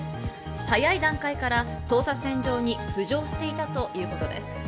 早い段階から捜査線上に浮上していたということです。